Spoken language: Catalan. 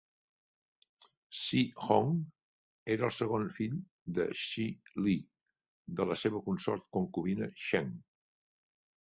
Shi Hong era el segon fill de Shi Le, de la seva consort concubina Cheng.